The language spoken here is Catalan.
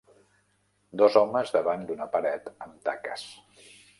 Dos homes davant d'una paret amb taques.